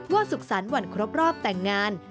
ว่าสุขสันต์หวั่นครบรอบแต่งงาน